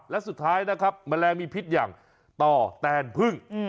และสุดท้ายนะครับแมลงมีพิษอย่างต่อแตนพึ่ง